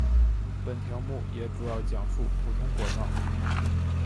本条目也主要讲述普通国道。